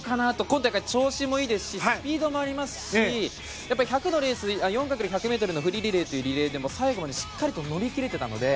今大会、調子もいいですしスピードもありますし４×１００ｍのフリーリレーというリレーでもしっかりと振り切れていたので